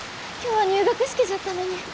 今日は入学式じゃったのに。